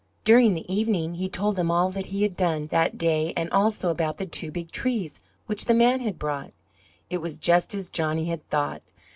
During the evening he told them all that he had done that day and also about the two big trees which the man had brought. It was just as Johnny had thought.